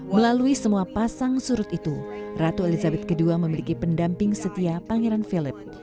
melalui semua pasang surut itu ratu elizabeth ii memiliki pendamping setia pangeran philip